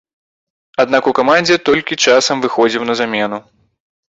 Аднак у камандзе толькі часам выхадзіў на замену.